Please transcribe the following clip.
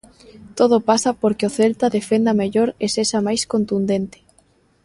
Todo pasa porque o Celta defenda mellor e sexa máis contundente.